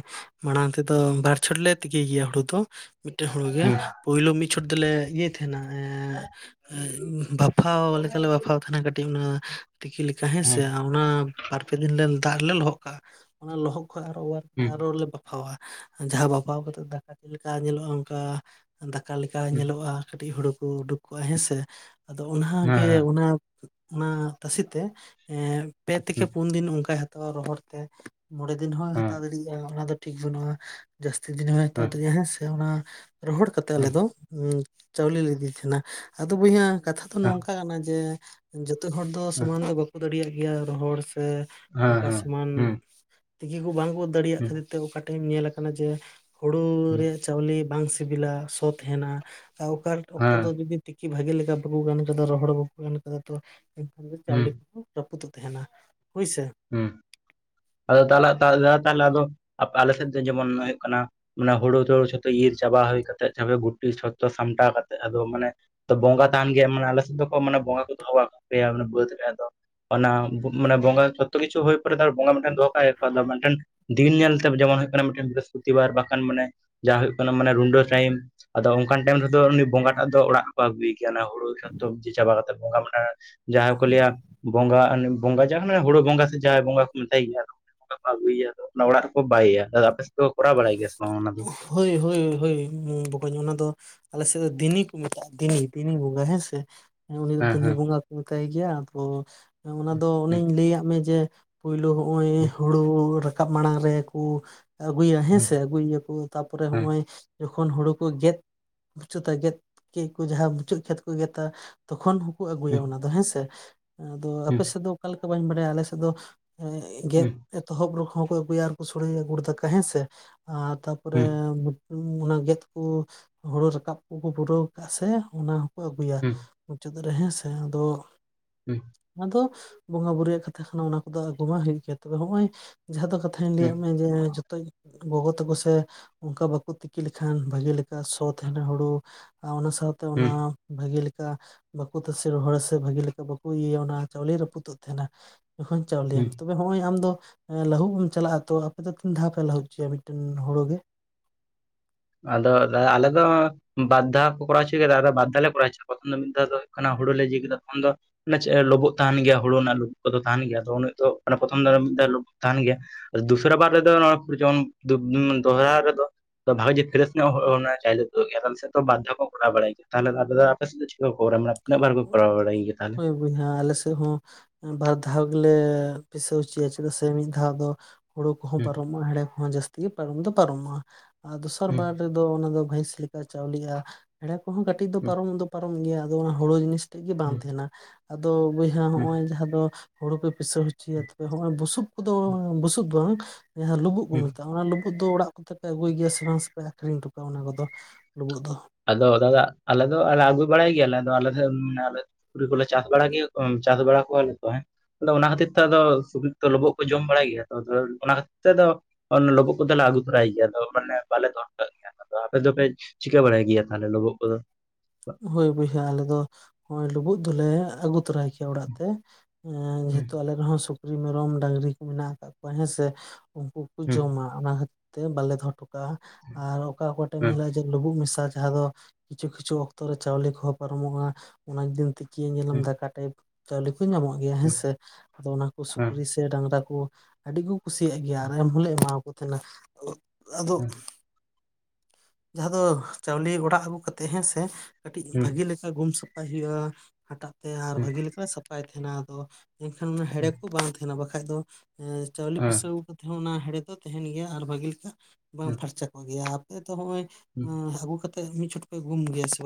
ᱢᱟᱲᱟᱝ ᱛᱮᱫᱚ ᱵᱟᱨ ᱪᱷᱚᱴ ᱞᱮ ᱛᱤᱠᱤᱭ ᱜᱮᱭᱟ ᱦᱩᱲᱩ ᱫᱚ᱾ ᱢᱤᱫᱴᱮᱱ ᱦᱩᱲᱩ ᱜᱮ ᱯᱩᱭᱞᱳ ᱢᱤᱫ ᱪᱷᱚᱴ ᱫᱚᱞᱮ ᱤᱭᱟᱹᱭ ᱛᱟᱦᱮᱱᱟ, ᱦᱮᱸ ᱵᱟᱯᱷᱟᱣ ᱞᱮᱠᱟᱞᱮ ᱵᱟᱯᱷᱟᱣ ᱛᱟᱦᱮᱱᱟ ᱠᱟᱹᱴᱤᱡ ᱚᱱᱟᱹ ᱛᱤᱠᱤ ᱞᱮᱠᱟ ᱦᱮᱸᱥᱮ ᱦᱩᱸ ᱚᱱᱟ ᱵᱟᱨᱯᱮ ᱫᱤᱱ ᱞᱮ ᱫᱟᱜ ᱨᱮ ᱞᱮ ᱞᱚᱦᱚᱫ ᱠᱟᱜ-ᱟ ᱚᱱᱟ ᱞᱚᱦᱚᱜ ᱠᱷᱚᱱ ᱟᱨ ᱦᱚᱸ ᱚᱶᱟᱨ ᱦᱩᱸ ᱦᱩᱸ ᱟᱨᱚ ᱵᱟᱯᱷᱟᱣᱟ ᱡᱟᱦᱟᱸ ᱵᱟᱯᱷᱟᱣ ᱠᱟᱛᱮᱫ ᱫᱟᱠᱟ ᱪᱮᱫ ᱞᱮᱠᱟ ᱧᱮᱞᱚᱜ-ᱟ ᱚᱱᱠᱟ ᱫᱟᱠᱟ ᱞᱮᱠᱟ ᱦᱚᱸ ᱦᱩᱸ ᱧᱮᱞᱚᱜ-ᱟ ᱠᱟᱹᱴᱤᱡ ᱦᱩᱲᱩ ᱠᱚ ᱩᱰᱩᱠ ᱠᱚᱜ-ᱟ ᱦᱮᱸᱥᱮ ᱟᱫᱚ ᱦᱮᱸ ᱚᱱᱟᱜᱮ ᱚᱱᱟ ᱚᱱᱟ ᱛᱟᱥᱤᱛᱮ ᱮᱸ ᱯᱮ ᱛᱷᱮᱠᱮ ᱦᱮᱸ ᱯᱩᱱ ᱫᱤᱱ ᱚᱱᱠᱟᱭ ᱦᱟᱛᱟᱣᱟ ᱨᱚᱦᱚᱲᱛᱮ, ᱢᱚᱬᱮ ᱫᱤᱱ ᱦᱚᱸᱭ ᱦᱮᱸ ᱦᱮᱸ ᱦᱟᱛᱟᱣ ᱫᱟᱲᱮᱭᱟᱜ-ᱟ ᱚᱱᱟ ᱫᱚ ᱴᱷᱤᱠ ᱵᱟᱹᱱᱩᱜ-ᱟ᱾ ᱡᱟᱹᱥᱛᱤ ᱫᱤᱱ ᱦᱚᱸᱭ ᱦᱟᱛᱟᱣ ᱫᱟᱲᱮᱟᱭ ᱦᱮᱸ ᱥᱮ ᱚᱱᱟ ᱨᱚᱦᱚᱲ ᱠᱟᱛᱮᱜ ᱟᱞᱮ ᱦᱮᱸ ᱦᱮᱸ ᱫᱚ ᱦᱸ ᱪᱟᱣᱞᱤ ᱞᱮ ᱤᱫᱤ ᱛᱟᱦᱮᱱᱟ ᱟᱫᱚ ᱵᱚᱭᱦᱟ ᱠᱟᱛᱷᱟ ᱫᱚ ᱦᱮᱸ ᱱᱚᱝᱠᱟ ᱠᱟᱱᱟ ᱡᱮ ᱡᱚᱛᱚ ᱦᱚᱲ ᱫᱚ ᱦᱮᱸ ᱥᱚᱢᱟᱱ ᱫᱚ ᱵᱟᱹᱠᱩ ᱫᱟᱲᱮᱭᱟᱜ ᱜᱮᱭᱟ ᱨᱚᱦᱚᱲ ᱥᱮ ᱦᱮᱸ ᱚᱱᱠᱟ ᱥᱚᱢᱟᱱ ᱦᱮᱸ ᱛᱤᱠᱤ ᱠᱚ ᱵᱟᱝ ᱠᱚ ᱫᱟᱲᱮᱭᱟᱜ ᱠᱷᱟᱹᱛᱤᱨ ᱛᱮ ᱚᱠᱟᱴᱷᱮᱱ ᱧᱮᱞ ᱟᱠᱟᱱᱟ ᱡᱮ ᱦᱩᱲᱳ ᱨᱮᱜ ᱪᱟᱣᱞᱮ ᱵᱟᱝ ᱥᱤᱵᱤᱞᱟ ᱥᱚ ᱛᱮᱦᱮᱱᱟ ᱚᱠᱟ ᱦᱮᱸ ᱚᱠᱛᱚ ᱦᱮᱸ ᱫᱚ ᱡᱩᱫᱤ ᱛᱤᱠᱤ ᱵᱷᱟᱜᱮ ᱞᱮᱠᱟ ᱵᱟᱠᱚ ᱜᱟᱱ ᱠᱟᱫᱟ ᱨᱚᱦᱚᱲ ᱵᱟᱠᱚ ᱜᱟᱱ ᱠᱟᱜ-ᱟ ᱛᱚ ᱮᱱᱠᱷᱟᱱ ᱦᱮᱸ ᱪᱟᱣᱞᱮ ᱠᱩ ᱨᱟᱹᱯᱩᱫᱚᱜ ᱛᱟᱦᱮᱱᱟ ᱦᱳᱭᱥᱮ, ᱦᱩᱸ, ᱟᱫᱚ ᱛᱟᱞᱟᱜ [inaudible] ᱛᱟᱦᱚᱞᱮ ᱟᱫᱚ ᱟᱞᱮ ᱥᱮᱫ ᱛᱮ ᱡᱮᱢᱚᱱ ᱦᱩᱭᱩᱜ ᱠᱟᱱᱟ ᱢᱟᱱᱮ ᱦᱩᱲᱩ ᱛᱩᱲᱩ ᱪᱷᱚᱛᱚ ᱤᱨ ᱪᱟᱵᱟ ᱦᱩᱭ ᱠᱟᱛᱮᱜ ᱜᱩᱴᱤ ᱪᱷᱚᱛᱚ ᱥᱟᱢᱴᱟᱣ ᱠᱟᱛᱮᱜ ᱟᱫᱚ ᱢᱟᱱᱮ ᱛᱚ ᱵᱚᱸᱜᱟ ᱛᱟᱦᱮᱱ ᱜᱮᱭᱟ ᱢᱟᱱᱮ ᱟᱞᱮ ᱥᱮᱫ ᱫᱚ ᱢᱟᱱᱮ ᱵᱚᱸᱜᱟ ᱠᱚ ᱫᱚᱦᱚ ᱠᱟᱠᱚ ᱜᱮᱭᱟ ᱢᱟᱱᱮ ᱵᱟᱹᱫᱽ ᱨᱮ ᱟᱫᱚ ᱚᱱᱟ ᱢᱟᱱᱮ ᱵᱚᱸᱜᱟ ᱡᱷᱚᱛᱚ ᱠᱤᱷᱩ ᱦᱩᱭ ᱯᱚᱨᱮ ᱫᱚ ᱵᱚᱸᱜᱟ ᱫᱚᱦᱚ ᱠᱟᱭ ᱢᱤᱫᱴᱮᱱ ᱫᱤᱱ ᱧᱮᱞᱛᱮ ᱰᱩᱡᱦᱟᱣ ᱢᱮ ᱚᱱᱮ ᱦᱩᱭᱩᱜ ᱠᱟᱱᱟ, ᱢᱤᱫ ᱴᱮᱱ ᱵᱨᱤᱦᱚᱥᱯᱚᱛᱤᱵᱟᱨ ᱵᱟᱠᱷᱟᱱ ᱢᱟᱱᱮ ᱡᱟ ᱦᱩᱭᱩᱜ ᱠᱟᱱᱟ, ᱢᱟᱱᱮ ᱨᱩᱱᱰᱟᱹ ᱴᱟᱭᱤᱢ᱾ ᱟᱫᱚ ᱚᱱᱠᱟᱱ ᱴᱟᱭᱤᱢ ᱨᱮᱫᱚ ᱩᱱᱤ ᱵᱚᱸᱜᱟ ᱴᱟᱜ ᱫᱚ ᱚᱲᱟᱜ ᱵᱟᱵᱤᱜ ᱠᱟᱱᱟ, ᱦᱩᱲᱩ ᱥᱟᱵ - ᱤᱫᱤ ᱪᱟᱵᱟ ᱠᱟᱛᱮ ᱵᱚᱸᱜᱟ ᱢᱟᱱᱮ ᱡᱟᱦᱟᱸᱭ ᱠᱚ ᱞᱟᱹᱭᱟ ᱵᱚᱸᱜᱟ ᱵᱚᱸᱜᱟ ᱡᱟ ᱦᱳᱲᱳ ᱵᱚᱸᱜᱟ ᱥᱮ ᱡᱟᱦᱟᱸᱭ ᱵᱚᱸᱜᱟ ᱠᱚ ᱡᱟᱦᱟᱱ ᱦᱩᱲᱩ ᱵᱚᱸᱜᱟ ᱥᱮ ᱡᱟᱦᱮᱨ ᱵᱚᱸᱜᱟ ᱦᱚᱸᱠᱩ ᱢᱮᱛᱟᱭ ᱜᱮᱭᱟ᱾ ᱟᱫᱚ ᱟᱹᱜᱩᱭᱮᱭᱟ ᱛᱚ ᱚᱱᱟ. ᱚᱲᱟᱜ ᱨᱮᱠᱚ ᱵᱟᱭᱮᱭᱟ᱾ ᱫᱟᱫᱟ ᱟᱯᱮ ᱥᱮᱫ ᱫᱚ ᱠᱚᱨᱟᱣ ᱵᱟᱲᱟᱭ ᱜᱮᱭᱟ ᱥᱮ ᱵᱟᱝ ᱚᱱᱟ ᱫᱚ? ᱦᱳᱭ ᱦᱳᱭ ᱦᱳᱭ, ᱵᱟᱠᱚᱧ ᱚᱱᱟ ᱫᱚ ᱟᱞᱮ ᱥᱮᱫ ᱫᱚ ᱫᱤᱱᱤ ᱠᱚ ᱢᱮᱛᱟᱜᱼᱟ, ᱫᱤᱱᱤ -ᱫᱤᱱᱤ ᱵᱚᱸᱜᱟ ᱦᱮᱸᱥᱮ, ᱩᱱᱤ ᱫᱚ ᱦᱮᱸ ᱫᱤᱱᱤ ᱦᱮᱸ ᱵᱚᱸᱜᱟ ᱠᱚ ᱢᱮᱛᱟᱭ ᱜᱮᱭᱟ᱾ ᱟᱫᱚ ᱚᱱᱟ ᱫᱚ ᱦᱩᱸ ᱚᱱᱮᱧ ᱞᱟᱹᱫ ᱢᱮ ᱡᱮ ᱯᱟᱹᱭᱞᱟᱹ ᱱᱚᱜᱼᱚᱭ ᱦᱩᱲᱩ ᱨᱟᱠᱟᱵ ᱢᱟᱲᱟᱝ ᱨᱮ ᱠᱚ ᱟᱹᱜᱩᱭᱟ ᱦᱩᱸ ᱦᱮᱸᱥᱮ, ᱟᱹᱜᱩᱭᱮᱭᱟ ᱠᱚ ᱛᱟᱨᱯᱚᱨᱮ ᱦᱩᱸ ᱱᱚᱜᱼᱚᱭ ᱡᱚᱠᱷᱚᱱ ᱦᱩᱲᱩ ᱠᱚ ᱜᱮᱫᱽ ᱢᱩᱪᱟᱹᱫ ᱜᱮᱫ, ᱠᱮᱫ ᱠᱚ ᱡᱟᱦᱟᱸᱭ ᱢᱩᱪᱟᱹᱫ ᱠᱷᱮᱛ ᱠᱚ ᱜᱮᱫᱟ᱾ ᱛᱚᱠᱷᱚᱱ ᱟᱹᱜᱩᱭᱟ᱿ ᱦᱩᱸ ᱚᱱᱟ ᱫᱚ ᱦᱮᱸᱥᱮ, ᱟᱫᱚ ᱟᱯᱮ ᱦᱩᱸ ᱥᱮᱫ ᱫᱚ ᱚᱠᱟ ᱞᱮᱠᱟ ᱵᱟᱹᱧ ᱵᱟᱲᱟᱭᱟ? ᱟᱞᱮᱥᱮᱫ ᱫᱚ ᱜᱮᱫ ᱦᱩᱸ ᱮᱛᱚᱦᱚᱵ ᱨᱮᱦᱚᱸ ᱠᱚ ᱟᱹᱜᱩᱭᱟ, ᱟᱨ ᱠᱚ ᱥᱚᱲᱮᱭᱟ ᱜᱩᱲ ᱫᱟᱠᱟ ᱦᱮᱸᱥᱮ ᱟᱨ ᱦᱩᱸ ᱛᱟᱨᱯᱚᱨᱮ ᱦᱩᱸ ᱚᱱᱟ ᱜᱮᱫ ᱠᱚ ᱦᱳᱲᱩ ᱨᱟᱠᱟᱵᱽ ᱠᱚᱠᱚ ᱯᱩᱨᱟᱹᱣ ᱠᱟᱜᱼᱟ ᱥᱮ ᱚᱱᱟ ᱦᱚᱸᱠᱚ ᱟᱹᱜᱩᱭᱟ ᱦᱩᱸ ᱾ ᱢᱩᱪᱟᱹᱫ ᱨᱮ ᱦᱮᱸ ᱥᱮ, ᱟᱫᱚ ᱦᱩᱸ᱾ ᱟᱫᱚ ᱵᱚᱸᱜᱟ ᱵᱩᱨᱩ ᱭᱟᱠᱚ ᱠᱟᱛᱷᱟ ᱠᱟᱱᱟ᱾ ᱚᱱᱟ ᱠᱚᱫᱚ ᱟᱡᱽ ᱵᱚᱸᱜᱟ ᱦᱩᱭᱩᱜ ᱛᱟᱠᱚ ᱟᱫ ᱱᱚᱜᱼᱚᱭ ᱡᱟᱸᱦᱟ ᱫᱟ ᱠᱟᱛᱷᱟ ᱜᱮᱭᱟ ᱛᱚᱵᱮ ᱱᱚᱜᱼᱚᱭ ᱡᱟᱦᱟ ᱫᱚ ᱠᱟᱛᱷᱟ ᱤᱧᱤᱧ ᱞᱟᱹᱭᱟ ᱦᱩᱸ ᱢᱮᱭᱟ ᱡᱮ ᱡᱚᱛᱚ ᱜᱮ ᱜᱚᱜᱚ ᱛᱮᱠᱚ ᱥᱮ ᱚᱱᱠᱟ ᱵᱟᱠᱚ ᱛᱤᱠᱤ ᱞᱮᱠᱷᱟᱱ ᱵᱷᱟᱹᱜᱤ ᱞᱮᱠᱟ ᱥᱚ ᱛᱟᱦᱮᱱᱟ ᱦᱩᱲᱩ ᱚᱱᱟ ᱥᱟᱶᱛᱮ ᱚᱱᱟ ᱦᱩᱸ ᱵᱷᱟᱹᱜᱮ ᱞᱮᱠᱟ ᱵᱟᱠᱚ ᱛᱟᱥᱮ ᱨᱚᱦᱚᱲ ᱥᱮ ᱵᱷᱟᱹᱜᱤ ᱞᱮᱠᱟ ᱵᱟᱠᱚ ᱤᱭᱟᱹᱭᱟ᱾ ᱚᱱᱟ ᱪᱟᱣᱞᱮ ᱨᱟᱹᱯᱩᱫᱚᱜ ᱛᱟᱦᱮᱸᱱᱟ ᱾ ᱟᱫᱚ ᱪᱟᱹᱣᱞᱮ ᱦᱩᱸ ᱦᱚᱸᱭᱼᱚᱭ ᱟᱢ ᱫᱚ ᱞᱟᱦᱩᱜ ᱪᱟᱞᱟᱜᱼᱟ ᱛᱚ᱾ ᱟᱯᱮ ᱫᱚ ᱛᱤᱱ ᱫᱷᱟᱯᱮ ᱞᱟᱦᱩᱫ ᱦᱚᱪᱚᱭᱟ ᱢᱤᱫᱴᱮᱱ ᱦᱩᱲᱩ ᱜᱮ? ᱟᱫᱚ ᱫᱟᱫᱟ ᱟᱞᱮ ᱫᱚ ᱵᱟᱫᱽᱫᱷᱟ ᱠᱚ ᱠᱚᱨᱟᱣ ᱦᱚᱪᱚᱭ ᱠᱮᱫᱟ ᱟᱨ ᱵᱟᱫᱷᱟ ᱞᱮ ᱠᱚᱨᱟᱣ ᱦᱚᱪᱚ ᱠᱚᱣᱟ, ᱢᱤᱫ ᱫᱷᱟᱣ ᱫᱚ ᱦᱩᱭᱩᱜ ᱠᱟᱱᱟ ᱦᱩᱲᱩ ᱞᱮ ᱡᱤᱣ ᱠᱮᱫᱟ ᱛᱠᱷᱚᱱ ᱫᱚ ᱞᱩᱵᱳᱜ ᱛᱟᱦᱮᱱ ᱜᱮᱭᱟ, ᱦᱩᱲᱩ ᱨᱮᱱᱟᱜ ᱞᱩᱵᱳᱜ ᱠᱚᱫᱚ ᱛᱟᱦᱮᱱ ᱜᱮᱭᱟ᱾ ᱟᱫᱚ ᱩᱱᱤ ᱫᱚ ᱯᱨᱚᱛᱷᱚᱢ ᱫᱚ ᱞᱩᱵᱳᱜ ᱛᱟᱦᱮᱱ ᱜᱮᱭᱟ᱾ ᱫᱩᱥᱨᱟ ᱵᱟᱨ ᱨᱮᱫᱚ ᱡᱮᱢᱚᱱ ᱫᱚᱦᱨᱟ ᱨᱮᱫᱚ ᱵᱷᱟᱜᱮ ᱯᱨᱮᱥ ᱧᱚᱜ ᱦᱳᱲᱳ ᱨᱮᱱᱟᱜ ᱵᱟᱨ ᱫᱷᱟᱣ ᱠᱚ ᱠᱚᱨᱟᱣ ᱵᱟᱲᱟᱭ ᱜᱮᱭᱟ᱾ ᱛᱟᱦᱞᱮ ᱟᱯᱮ ᱟᱯᱮ ᱪᱤᱠᱟᱹ ᱵᱟᱠᱚ ᱠᱚᱨᱟᱣ? ᱛᱤᱱᱟᱹᱜ ᱵᱟᱨ ᱠᱚ ᱠᱚᱨᱟᱣ ᱵᱟᱲᱟ ᱜᱮᱭᱟ? ᱛᱟᱦᱚᱞᱮ ᱦᱳᱭ ᱟᱞᱮ ᱥᱮᱫ ᱦᱚᱸ ᱵᱟᱨ ᱫᱷᱟᱣ ᱜᱮᱞᱮ ᱯᱤᱥᱟᱹᱣ ᱦᱚᱪᱚᱭᱟ ᱪᱮᱫᱟᱜ ᱥᱮ ᱢᱤᱫ ᱫᱷᱟᱣ ᱫᱚ ᱦᱳᱲᱳ ᱠᱚᱦᱚᱸ ᱦᱩᱸ ᱯᱟᱨᱚᱢᱚᱜᱼᱟ, ᱦᱮᱲᱮ ᱠᱚᱦᱚᱸ ᱡᱟᱹᱥᱛᱤ ᱜᱮ ᱯᱟᱨᱚᱢ ᱫᱚ ᱯᱟᱨᱚᱢᱚᱜᱼᱟ ᱟᱨ ᱫᱚᱥᱟᱨ ᱦᱩᱸ ᱵᱟᱨ ᱚᱱᱟ ᱫᱚ ᱵᱷᱮᱥ ᱞᱮᱠᱟ ᱪᱟᱣᱞᱮᱜᱼᱟ᱾ ᱦᱮᱲᱮ ᱠᱚᱦᱚᱸ ᱠᱟᱹᱴᱤᱡ ᱫᱚ ᱦᱩᱸ ᱯᱟᱨᱚᱢ ᱫᱚ ᱯᱟᱨᱚᱢ ᱜᱮᱭᱟ ᱾ ᱚᱱᱟ ᱦᱩᱲᱩ ᱡᱤᱱᱤᱥ ᱛᱮᱫ ᱜᱮ ᱵᱟᱝ ᱦᱩᱸ ᱛᱟᱦᱮᱸᱱᱟ᱾ ᱟᱫᱚ ᱵᱚᱭᱦᱟ ᱦᱩᱸ ᱱᱚᱜᱼᱚᱭ ᱡᱟᱦᱟᱸ ᱫᱚ ᱦᱩᱲᱩ ᱠᱚ ᱯᱤᱥᱟᱹᱣ ᱦᱚᱪᱚᱭᱟ ᱦᱚᱸ ᱚᱭ ᱵᱩᱥᱩᱵ ᱠᱚᱫᱚ ᱵᱩᱥᱩᱵ ᱫᱚ ᱡᱟᱦᱟᱸ ᱞᱩᱵᱩᱜ ᱠᱚ ᱦᱩᱸ ᱢᱮᱛᱟᱜᱼᱟ᱾ ᱚᱱᱟ ᱞᱩᱵᱩᱜ ᱫᱚ ᱚᱲᱟᱜ ᱟᱯᱮ ᱫᱚᱯᱮ ᱟᱜᱩᱭ ᱜᱮᱭᱟ ᱥᱮ ᱟᱹᱠᱷᱨᱤᱧ ᱦᱚᱴᱚ ᱠᱟᱜᱼᱟ? ᱚᱱᱟ ᱠᱚᱫᱚ ᱞᱩᱵᱩᱜ ᱫᱚ? ᱟᱫᱚ ᱫᱟᱫᱟ ᱟᱞᱮ ᱫᱚ ᱟᱞᱮ ᱟᱹᱜᱩ ᱵᱟᱲᱟᱭ ᱜᱮᱭᱟᱞᱮ ᱟᱫᱚ ᱟᱞᱮ ᱥᱩᱠᱨᱤ ᱠᱚᱞᱮ ᱪᱟᱥ ᱵᱟᱲᱟ ᱜᱮ ᱪᱟᱥ ᱵᱟᱲᱟ ᱠᱚᱣᱟᱞᱮ ᱛᱚ᱾ ᱟᱫᱚ ᱚᱱᱟ ᱠᱷᱟᱹᱛᱤᱨ ᱛᱮ ᱟᱫᱚ ᱥᱩᱠᱨᱤ ᱠᱚᱛᱚ ᱞᱩᱵᱳᱜ ᱠᱚ ᱡᱚᱢ ᱵᱟᱲᱟᱭ ᱜᱮᱭᱟ ᱛᱚ᱾ ᱚᱱᱟ ᱠᱷᱟᱹᱛᱤᱨ ᱛᱮ ᱫᱚ ᱞᱩᱵᱳᱜ ᱠᱚᱫᱚ ᱞᱮ ᱟᱹᱜᱩ ᱛᱚᱨᱟᱭ ᱜᱮᱭᱟ᱾ ᱫᱚ ᱢᱟᱱᱮ ᱵᱟᱞᱮ ᱫᱚᱦᱚ ᱠᱟᱜ ᱜᱮᱭᱟ᱾ ᱟᱫᱚ ᱟᱯᱮ ᱫᱚᱯᱮ ᱪᱤᱠᱟᱹ ᱵᱟᱲᱟᱭ ᱜᱮᱭᱟ? ᱜᱮᱭᱟ ᱛᱟᱦᱚᱞᱮ ᱞᱩᱵᱳᱜ ᱠᱚᱫᱚ ᱦᱳᱭ ᱵᱩᱭᱦᱟᱹ ᱟᱞᱮ ᱫᱚ ᱞᱩᱵᱩᱜ ᱫᱚᱞᱮ ᱟᱜᱩ ᱛᱚᱨᱟᱭ ᱚᱲᱟᱜ ᱛᱮ, ᱦᱩᱸ ᱡᱷᱚᱛᱚ ᱟᱞᱮ ᱹᱹᱹ ᱦᱚᱸ ᱥᱩᱠᱨᱤ ᱼ ᱢᱮᱨᱚᱢ ᱰᱟᱹᱝᱜᱽᱨᱤ ᱠᱚ ᱢᱮᱱᱟᱜ ᱟᱠᱟᱫ ᱠᱚᱣᱟ ᱦᱮᱸᱥᱮ, ᱩᱱᱠᱩ ᱠᱚ ᱦᱩᱸ ᱡᱚᱢᱟ ᱾ ᱚᱱᱟ ᱠᱷᱟᱹᱛᱤᱨ ᱛᱮ ᱵᱟᱞᱮ ᱫᱚᱦᱚ ᱦᱚᱴᱚ ᱠᱟᱜᱼᱟ ᱟᱨ ᱚᱠᱟ ᱚᱠᱟ ᱴᱷᱮᱱ ᱦᱩᱸ ᱧᱮᱞᱚᱜ-ᱟ ᱡᱮ ᱞᱩᱵᱩᱜ ᱢᱮᱥᱟ ᱡᱟᱦᱟᱸ ᱫᱚ ᱠᱤᱪᱷᱩ ᱠᱤᱪᱷᱩ ᱚᱠᱛᱚ ᱨᱮ ᱪᱟᱣᱞᱮ ᱠᱚᱦᱚᱸ ᱯᱟᱨᱚᱢᱚᱜᱼᱟ, ᱚᱱᱟ ᱡᱩᱫᱤᱱ ᱛᱤᱠᱤ ᱧᱮᱞᱟᱢ ᱦᱩᱸ ᱫᱟᱠᱟ ᱴᱟᱭᱤᱯ ᱪᱟᱣᱞᱮ ᱠᱚ ᱧᱟᱢᱚᱜ ᱜᱮᱭᱟ ᱦᱮᱸᱥᱮ᱾ ᱟᱫᱚ ᱚᱱᱟ ᱠᱚ ᱦᱩᱸ ᱥᱩᱠᱨᱤ ᱥᱮ ᱥᱮ ᱰᱟᱝᱨᱟ ᱠᱚ ᱟᱹᱰᱤ ᱠᱚ ᱠᱩᱥᱤᱭᱟᱜ ᱜᱮᱭᱟ ᱟᱨ ᱮᱢ ᱦᱚᱸᱞᱮ ᱮᱢᱟᱣᱟᱠᱚ ᱛᱟᱦᱮᱱᱟ᱾ ᱟᱫᱚ ᱦᱩᱸ ᱦᱩᱸ ᱡᱟᱦᱟᱸ ᱫᱚ ᱪᱟᱣᱞᱮ ᱚᱲᱟᱜ ᱟᱹᱜᱩ ᱠᱟᱛᱮᱜ ᱦᱮᱸᱥᱮ᱾ ᱠᱟᱹᱴᱤᱡ ᱦᱩᱸ ᱵᱷᱟᱜᱤ ᱞᱮᱠᱟ ᱜᱩᱢ ᱥᱟᱯᱷᱟᱭ ᱦᱩᱭᱩᱜᱼᱟ ᱦᱟᱴᱟᱜ ᱛᱮ ᱟᱨ ᱦᱩᱸ ᱵᱷᱟᱜᱤ ᱞᱮᱠᱟ ᱥᱟᱯᱷᱟᱭ ᱛᱟᱦᱮᱱᱟ ᱟᱫᱚ ᱮᱱᱠᱷᱟᱱ ᱚᱱᱟ ᱦᱩᱸ ᱦᱮᱲᱮ ᱠᱚ ᱵᱟᱝ ᱛᱟᱦᱮᱱᱟ ᱵᱟᱠᱷᱟᱡ ᱫᱚ ᱮᱸ ᱪᱟᱣᱞᱮ ᱦᱩᱸ ᱯᱩᱥᱟᱹᱣ ᱠᱟᱛ ᱦᱚᱸ ᱚᱱᱟ ᱦᱮᱲᱮ ᱫᱚ ᱛᱟᱦᱮᱱ ᱜᱮᱭᱟ ᱟᱨ ᱵᱷᱟᱜᱤ ᱞᱮᱠᱟ ᱵᱟᱝ ᱦᱩᱸ ᱦᱩᱸ ᱯᱷᱟᱨᱪᱟ ᱠᱚᱜ ᱜᱮᱭᱟ᱾ ᱟᱯᱮ ᱛᱚ ᱦᱚᱸᱜ-ᱚᱭ ᱟᱸ ᱟᱹᱜᱩ ᱠᱟᱛᱮ ᱢᱤᱫ ᱪᱷᱚᱴ ᱯᱮ ᱜᱩᱢ ᱜᱮᱭᱟ ᱥᱮ ᱵᱟ?